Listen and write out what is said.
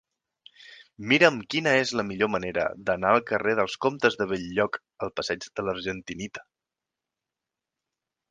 Mira'm quina és la millor manera d'anar del carrer dels Comtes de Bell-lloc al passeig de l'Argentinita.